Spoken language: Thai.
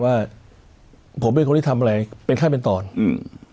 ว่าผมเป็นคนที่ทำอะไรเป็นขั้นเป็นตอนอืม